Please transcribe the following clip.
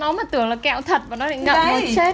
mà nó mà tưởng là kẹo thật mà nó lại ngậm một chết